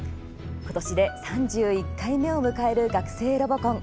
今年で３１回目を迎える「学生ロボコン」。